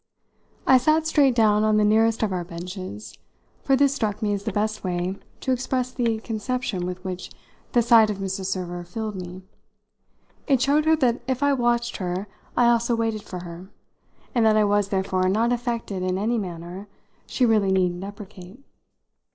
I sat straight down on the nearest of our benches, for this struck me as the best way to express the conception with which the sight of Mrs. Server filled me. It showed her that if I watched her I also waited for her, and that I was therefore not affected in any manner she really need deprecate.